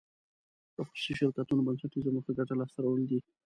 د خصوصي شرکتونو بنسټیزه موخه ګټه لاس ته راوړل دي.